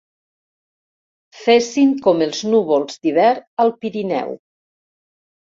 Fessin com els núvols d'hivern al Pirineu.